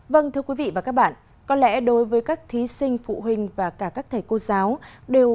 vâng thưa quý vị và các bạn có lẽ đối với các thí sinh phụ huynh và cả các thầy cô giáo đều